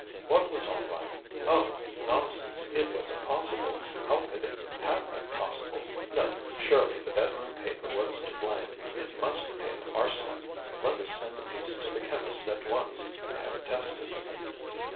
ŌĆ£What was all right? Oh! Nonsense! It wasnŌĆÖt possible. How could it have been possible? No, surely, the bed room paper was to blame. It must contain arsenic. Let us send a piece to the chemistŌĆÖs at once and have it tested.